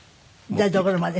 台所まで。